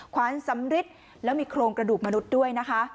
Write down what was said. ขวานสำริดแล้วมีโครงกระดูกมนุษย์ด้วยนะคะ